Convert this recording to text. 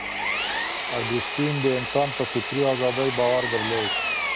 اګوستین د انسان په فطري ازادۍ باور درلود.